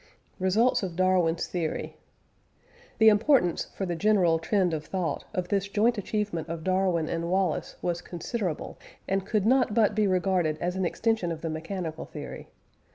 RESULTS OF DARWIN'S THEORY. The importance (for the general trend of thought) of this joint achievement of Darwin and Wallace was considerable, and could not but be regarded as an extension of the mechanical theory.